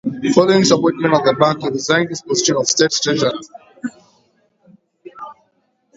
Following his appointment at the bank, he resigned his position of state treasurer.